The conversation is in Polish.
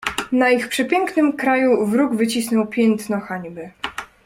"Na ich przepięknym kraju wróg wycisnął piętno hańby."